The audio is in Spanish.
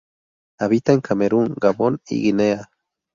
Habita en Camerún, Gabón y Guinea.